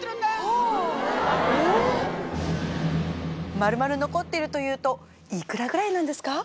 まるまる残っているというといくらぐらいなんですか？